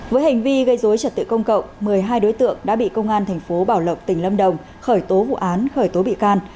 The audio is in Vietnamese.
với hành vi gây dối trật tự công cộng một mươi hai đối tượng đã bị công an thành phố bảo lộc tỉnh lâm đồng khởi tố vụ án khởi tố bị can